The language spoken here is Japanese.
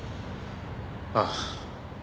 ああ。